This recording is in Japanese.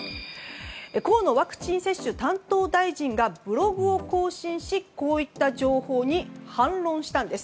河野ワクチン接種担当大臣がブログを更新しこういった情報に反論したんです。